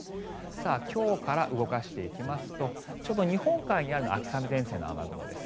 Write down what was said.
今日から動かしていきますとちょうど日本海にあるのは秋雨前線の雨雲です。